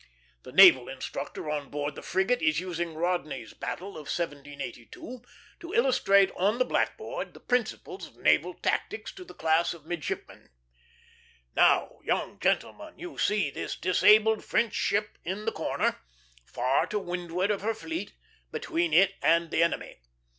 The naval instructor on board the frigate is using Rodney's battle of 1782 to illustrate on the blackboard the principles of naval tactics to the class of midshipmen. "Now, young gentlemen, you see this disabled French ship in the corner, far to windward of her fleet, between it and the enemy.